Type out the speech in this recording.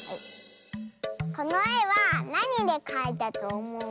このえはなにでかいたとおもう？